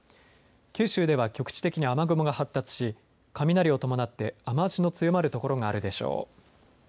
九州では局地的に雨雲が発達し雷を伴って雨足の強まる所があるでしょう。